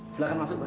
silahkan masuk mbak